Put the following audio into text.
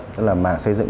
tức là mảng xây dựng